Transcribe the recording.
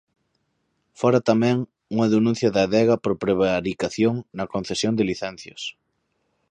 Fora tamén unha denuncia de Adega por prevaricación na concesión de licencias.